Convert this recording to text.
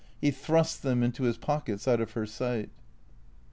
He thrust them into his pockets out of her sight.